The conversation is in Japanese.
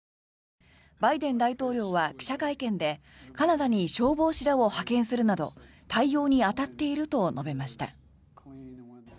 バイデン大統領は記者会見でカナダに消防士らを派遣するなど対応に当たっていると述べました。